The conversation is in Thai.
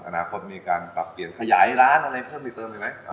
อนาคตมีการปรับเปลี่ยนขยายร้านอะไรเพิ่มเติมอีกไหม